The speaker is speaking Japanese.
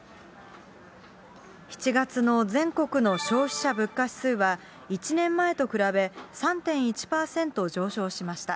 ７月の全国の消費者物価指数は、１年前と比べ、３．１％上昇しました。